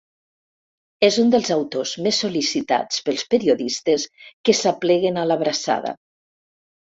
És un dels autors més sol·licitats pels periodistes que s'apleguen a l'Abraçada.